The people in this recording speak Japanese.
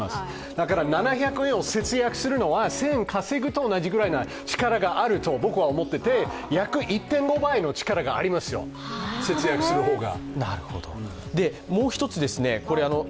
だから７００円を節約するのは１０００円稼ぐのと同じぐらいの力があると僕は思っていて、約１．５倍の力がありますよ、節約する方が。